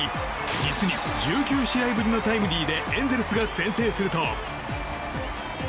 実に１９試合ぶりのタイムリーでエンゼルスが先制すると。